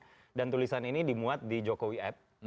oke jadi saya sendiri kemarin baru saja membuat sebuah tulisan